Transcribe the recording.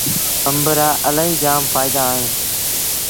آݩب رآ الهيٚ جآم ڦآئيدآ اوهيݩ۔